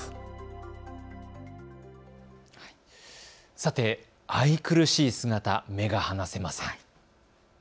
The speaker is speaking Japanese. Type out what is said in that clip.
さて、愛くるしい姿、目が離せません。